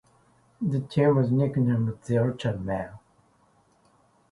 The team is nicknamed the Orchard men.